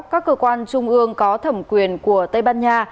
các cơ quan trung ương có thẩm quyền của tây ban nha